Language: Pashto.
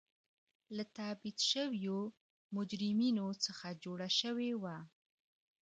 له تبعید شویو مجرمینو څخه جوړه شوې وه.